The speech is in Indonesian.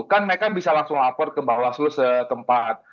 kan mereka bisa langsung lapor ke bawah seluruh tempat